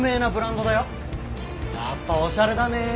やっぱおしゃれだねえ。